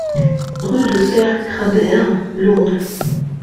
Rue de Peyre Crabère, Lourdes